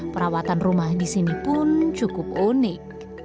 perawatan rumah di sini pun cukup unik